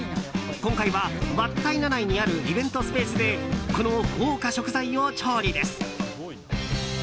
今回は、わったいな内にあるイベントスペースでこの豪華食材を調理です。